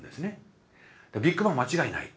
ビッグバン間違いない。